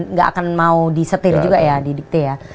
nggak akan mau disetir juga ya di diktir ya